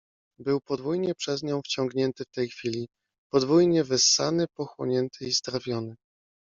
Był podwójnie przez nią wciągnięty w tej chwili, po dwójnie wessany, pochłonięty i strawiony.